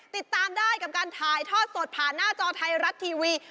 ติดตามได้กับการถ่ายทอดสดผ่านหน้าจอไทยรัฐทีวี